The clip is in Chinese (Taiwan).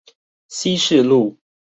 西勢路